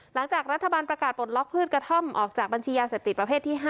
หลังจากรัฐบาลประกาศปลดล็อกพืชกระท่อมออกจากบัญชียาเสพติดประเภทที่๕